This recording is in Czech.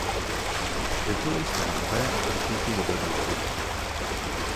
Vypluli jsme na nové a vzrušující dobrodružství.